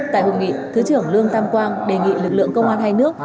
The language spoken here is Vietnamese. tại hội nghị thứ trưởng lương tam quang đề nghị lực lượng công an hai nước